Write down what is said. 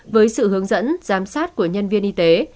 với sự hướng dẫn giám sát của nhân viên y tế